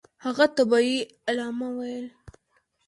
هغه ته به یې علامه ویل.